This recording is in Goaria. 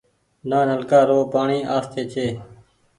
نآ نلڪآ رو پآڻيٚ آستي ڇي ۔